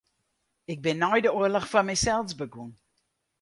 Ik bin nei de oarloch foar mysels begûn.